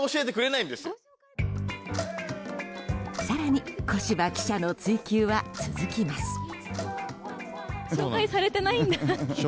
更に小芝記者の追及は続きます。